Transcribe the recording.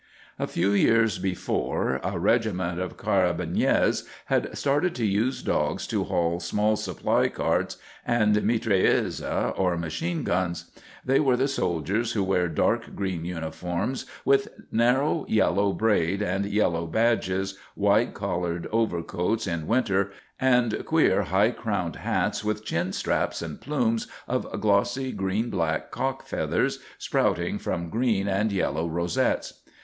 A few years before a regiment of carabiniers had started to use dogs to haul small supply carts and mitrailleuses or machine guns. They are the soldiers who wear dark green uniforms with narrow yellow braid and yellow badges, wide collared overcoats in winter, and queer, high crowned hats with chin straps and plumes of glossy, green black cock feathers sprouting from green and yellow rosettes.